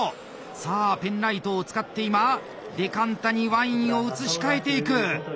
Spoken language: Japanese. さあペンライトを使って今デカンタにワインを移し替えていく。